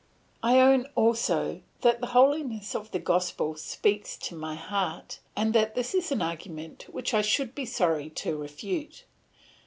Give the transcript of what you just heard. "I own also that the holiness of the gospel speaks to my heart, and that this is an argument which I should be sorry to refute.